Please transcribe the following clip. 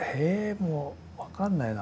もう分かんないな。